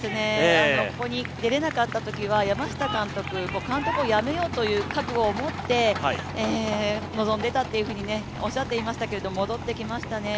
ここに出れなかったときは山下監督も監督を辞めようという覚悟を持って臨んでいたとおっしゃっていましたけど、戻ってきましたね。